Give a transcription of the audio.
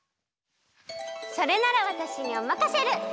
それならわたしにおまかシェル！